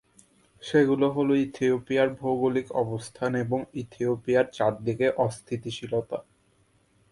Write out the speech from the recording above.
সেগুলো হল, ইথিওপিয়ার ভৌগোলিক অবস্থান এবং ইথিওপিয়ার চারদিকে অস্থিতিশীলতা।